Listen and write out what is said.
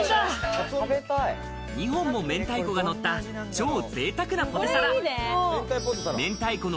２本も明太子がのった、超贅沢なポテサラ。